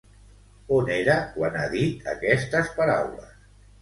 On era quan ha dit aquestes paraules?